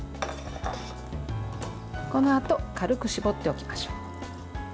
このあと軽く絞っておきましょう。